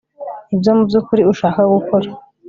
nibyo mubyukuri ushaka gukora